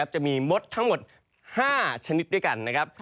จะมีมดทั้งหมด๕ชนิดด้วยกัน